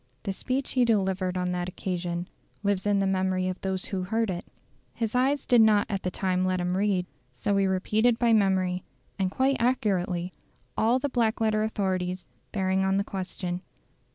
The speech he delivered on that occasion lives in the memory of those who heard it. His eyes did not at that time let him read, so he repeated by memory, and quite accurately, all the black letter authorities, bearing on the question.